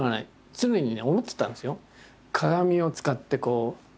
常に思ってたんですよ。